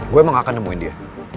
gue emang akan nemuin dia